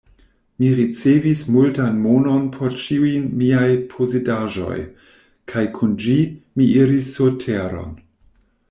Mi ricevis multan monon por ĉiujn miaj posedaĵoj, kaj kun ĝi, mi iris surteron.